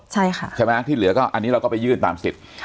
ใช่ค่ะใช่ไหมที่เหลือก็อันนี้เราก็ไปยื่นตามสิทธิ์